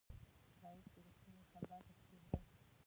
ښایست د رښتینې خندا تصویر دی